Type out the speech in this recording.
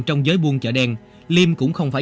trong giới buôn chợ đen liêm cũng không phải